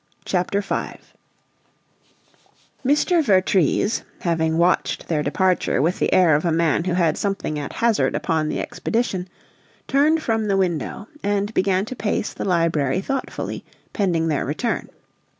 CHAPTER V Mr. Vertrees, having watched their departure with the air of a man who had something at hazard upon the expedition, turned from the window and began to pace the library thoughtfully, pending their return.